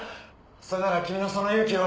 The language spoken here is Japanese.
それなら君のその勇気を。